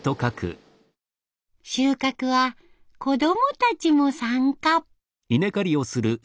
収穫は子供たちも参加。